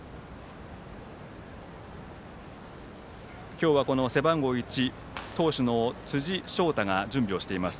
今日は背番号１、投手の辻晶太が準備をしています。